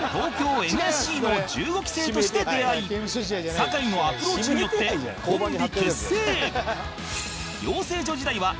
坂井のアプローチによってコンビ結成